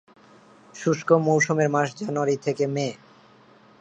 শুষ্ক মৌসুমের মাস জানুয়ারি থেকে মে।